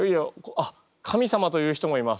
あっ神様と言う人もいます。